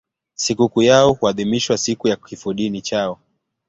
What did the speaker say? Sikukuu yao huadhimishwa siku ya kifodini chao.